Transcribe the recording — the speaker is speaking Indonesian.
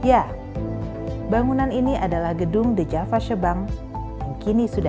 masya allah bangunan ini adalah gedung the java shibank babe grand royal